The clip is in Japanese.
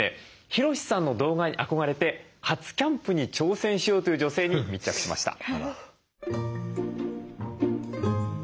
ヒロシさんの動画に憧れて初キャンプに挑戦しようという女性に密着しました。